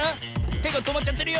てがとまっちゃってるよ。